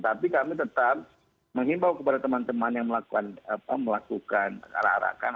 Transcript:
tapi kami tetap mengimbau kepada teman teman yang melakukan arak arakan